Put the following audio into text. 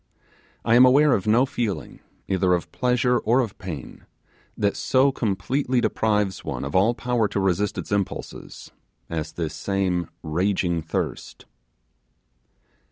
I am aware of no feeling, either of pleasure or of pain, that so completely deprives one of an power to resist its impulses, as this same raging thirst.